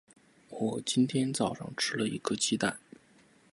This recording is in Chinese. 我今天早上吃了一个鸡蛋。